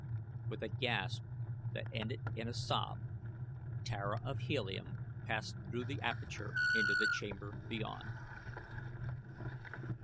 With a gasp that ended in a sob Tara of Helium passed through the aperture into the chamber beyond.